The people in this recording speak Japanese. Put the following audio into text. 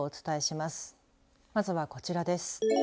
まずは、こちらです。